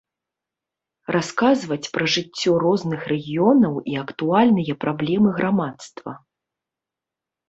Расказваць пра жыццё розных рэгіёнаў і актуальныя праблемы грамадства.